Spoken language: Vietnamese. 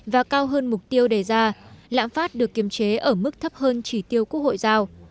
và cao hơn mục tiêu đề ra lãm phát được kiềm chế ở mức thấp hơn chỉ tiêu quốc hội giao